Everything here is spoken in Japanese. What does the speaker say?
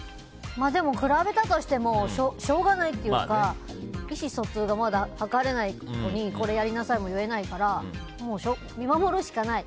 でも比べたとしてもしょうがないというか意思疎通がまだ測れない子にこれやりなさいも言えないからもう見守るしかない。